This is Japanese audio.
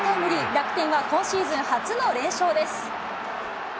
楽天は今シーズン初の連勝です。